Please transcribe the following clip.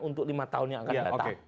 untuk lima tahun yang akan datang